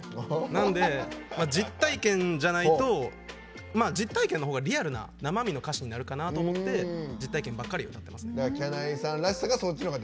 なので、実体験じゃないと実体験のほうが、リアルな生身の歌詞になるかなと思って実体験ばっかりに。